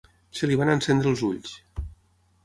Se li van encendre els ulls.